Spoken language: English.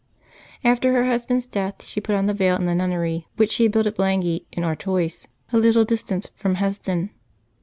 After her husband's death she put on the veil in the nunnery which she had built at Blangy in Artois, a little distance from Hesdin.